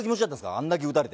あれだけ打たれて。